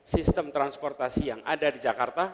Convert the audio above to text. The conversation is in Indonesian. sistem transportasi yang ada di jakarta